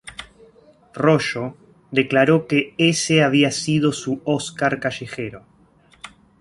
Royo declaró que ese había sido su Oscar callejero.